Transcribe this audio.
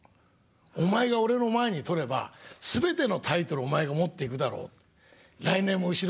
「お前が俺の前に取れば全てのタイトルをお前が持っていくだろう」と。